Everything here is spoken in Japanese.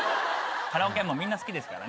カラオケはみんな好きです。